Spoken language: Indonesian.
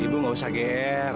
ibu enggak usah ger